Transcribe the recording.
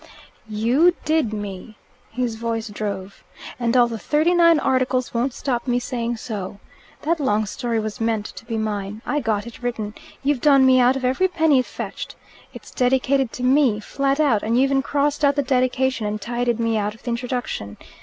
"You did me," his voice drove, "and all the thirty nine Articles won't stop me saying so. That long story was meant to be mine. I got it written. You've done me out of every penny it fetched. It's dedicated to me flat out and you even crossed out the dedication and tidied me out of the introduction.